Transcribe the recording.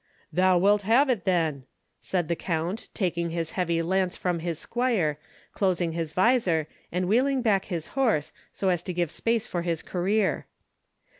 "Thou wilt have it then," said the count, taking his heavy lance from his squire, closing his visor, and wheeling back his horse, so as to give space for his career.